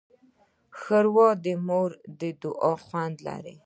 ښوروا د مور د دعا خوند لري.